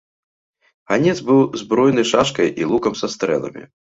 Ганец быў збройны шашкай і лукам са стрэламі.